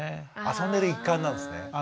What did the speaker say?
遊んでる一環なんですね。